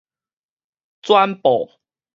轉播